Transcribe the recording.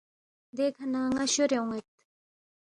دیکھہ نہ ن٘ا شورے اون٘ید